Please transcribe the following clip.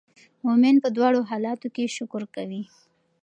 مؤمن په دواړو حالاتو کې شکر کوي.